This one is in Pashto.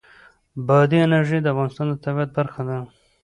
بادي انرژي د افغانستان د طبیعت برخه ده.